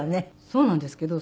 そうなんですけど。